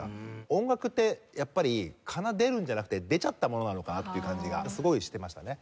音楽ってやっぱり奏でるんじゃなくて出ちゃったものなのかなっていう感じがすごいしてましたね。